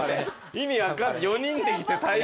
意味分かんない。